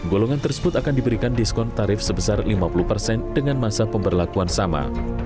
golongan tersebut akan diberikan diskon tarif sebesar lima puluh persen dengan masa pemberlakuan sama